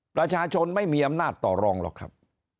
ประชาชนไม่มีอำนาจต่อรองหรอกครับ